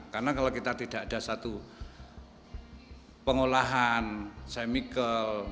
karena kalau kita tidak ada satu pengolahan semikal